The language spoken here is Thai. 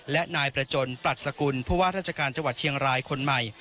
และนายประจนปรัชกุลผู้ว่าราชการจังหวัดเชียงรายคนใหม่